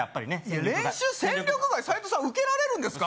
戦力外斎藤さん受けられるんですか？